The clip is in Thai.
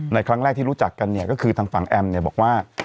ในครั้งแรกที่รู้จักกันเนี่ยก็คือทางฝั่งแอมเนี่ยบอกว่า